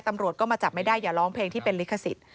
ตำรวจก็มาจับไม่ได้อย่าร้องเพลงที่เป็นลิขสิทธิ